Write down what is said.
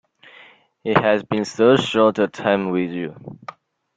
He has been so short a time with you.